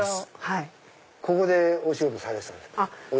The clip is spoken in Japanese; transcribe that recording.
ここでお仕事されてたんですか。